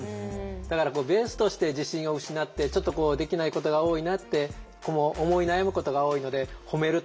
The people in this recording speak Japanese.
だからベースとして自信を失ってちょっとできないことが多いなって思い悩むことが多いので褒めるということが特に大事で。